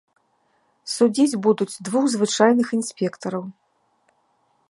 Судзіць будуць двух звычайных інспектараў.